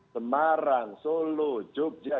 semarang solo jogja